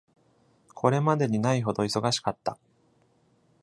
これまでにないほど忙しかった！